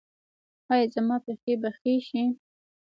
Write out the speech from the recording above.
ایا زما پښې به ښې شي؟